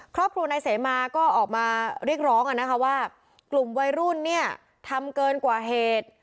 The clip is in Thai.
ครอบครัวนายเสมาก็ออกมาเรียกร้องว่ากลุ่มวัยรุ่นเนี่ยทำเกินกว่าเหตุ